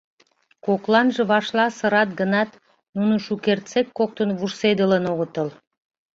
Кокланже вашла сырат гынат, нуно шукертсек коктын вурседылын огытыл.